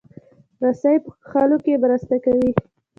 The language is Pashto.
رسۍ په کښلو کې مرسته کوي.